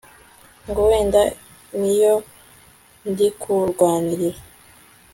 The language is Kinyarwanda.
ngo wenda niyo ndikurwanirira